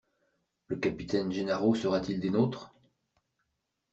Le capitaine Gennaro sera-t-il des nôtres ?